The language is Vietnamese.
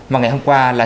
mà ngày hôm qua là